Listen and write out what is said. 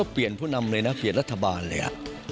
เผียบรัฐบาลเลย